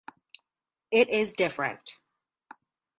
It is different.